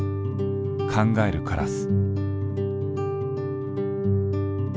「考えるカラス」。